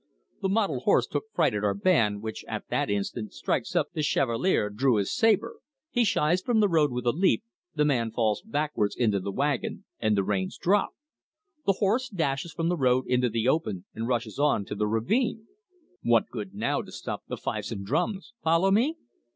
The mottled horse took fright at our band, which at that instant strikes up 'The Chevalier Drew his Sabre'. He shies from the road with a leap, the man falls backwards into the wagon, and the reins drop. The horse dashes from the road into the open, and rushes on to the ravine. What good now to stop the fifes and drums follow me?